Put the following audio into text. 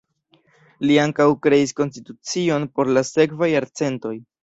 Li ankaŭ kreis konstitucion por la sekvaj jarcentoj.